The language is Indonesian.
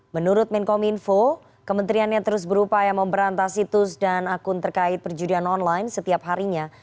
menurut menkominfo kementeriannya terus berupaya memberantas situs dan akun terkait perjudian online setiap harinya